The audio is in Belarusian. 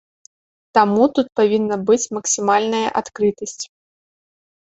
Таму тут павінна быць максімальная адкрытасць.